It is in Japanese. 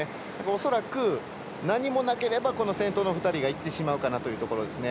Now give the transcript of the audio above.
恐らく何もなければ先頭の２人が行ってしまうかなというところですね。